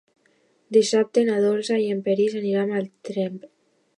Dissabte na Dolça i en Peris aniran a Tremp.